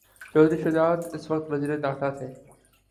چوہدری شجاعت اس وقت وزیر داخلہ تھے۔